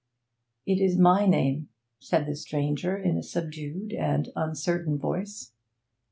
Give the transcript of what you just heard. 'It is my name,' said the stranger, in a subdued and uncertain voice.